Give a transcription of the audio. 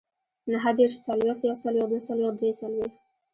نههدېرش، څلوېښت، يوڅلوېښت، دوهڅلوېښت، دريڅلوېښت